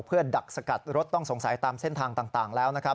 เพื่อดักสกัดรถต้องสงสัยตามเส้นทางต่างแล้วนะครับ